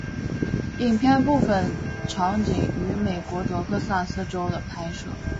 影片部分场景于美国德克萨斯州的拍摄。